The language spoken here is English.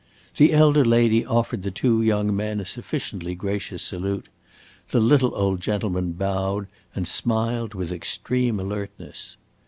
The elder lady offered the two young men a sufficiently gracious salute; the little old gentleman bowed and smiled with extreme alertness.